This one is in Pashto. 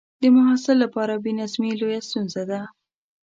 د محصل لپاره بې نظمي لویه ستونزه ده.